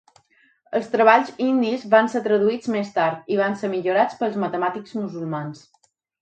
Els treballs indis van ser traduïts més tard i van ser millorats pels matemàtics musulmans.